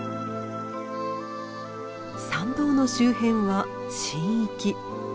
参道の周辺は「神域」。